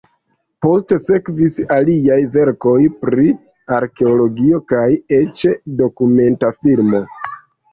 Poste sekvis aliaj verkoj pri arkeologio kaj eĉ dokumenta filmo.